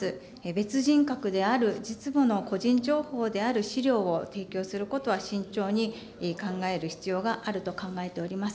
別人格である実母の個人情報である資料を提供することは慎重に考える必要があると考えております。